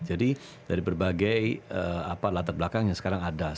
jadi dari berbagai latar belakang yang sekarang ada